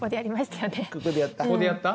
ここでやった？